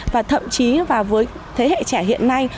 và thậm chí với thế hệ trẻ hiện nay